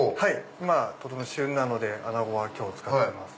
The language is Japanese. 今とても旬なので穴子は今日使ってます。